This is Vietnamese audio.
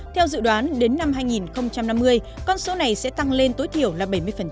theo dự đoán đến năm hai nghìn năm mươi con số này sẽ tăng lên tối thiểu là bảy mươi